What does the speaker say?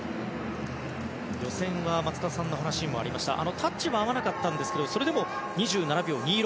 予選は松田さんの話にもありましたがタッチが合わなかったんですがそれでも２７秒２６。